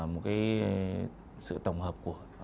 một cái sự tổng hợp